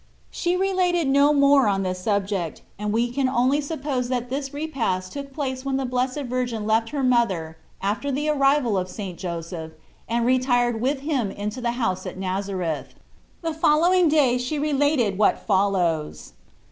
She related no more on this subject, 16 Tlbe IRativnts ot and we can only suppose that this repast took place when the Blessed Virgin left her mother, after the arrival of St. Joseph, and retired with him into the house at Nazareth. The following day she related what follows.